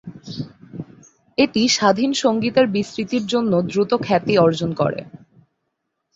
এটি স্বাধীন সংগীতের বিস্তৃতির জন্য দ্রুত খ্যাতি অর্জন করে।